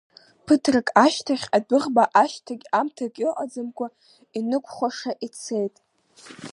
Ԥыҭрак ашьҭахь адәыӷба ашьҭагь-амҭагь ыҟаӡамкәа инықәхәаша ицеит.